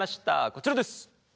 こちらです。